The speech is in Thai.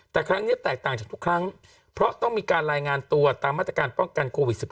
แต่ครั้งนี้แตกต่างจากทุกครั้งเพราะต้องมีการรายงานตัวตามมาตรการป้องกันโควิด๑๙